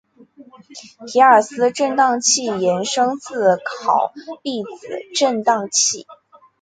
皮尔斯震荡器衍生自考毕子振荡器。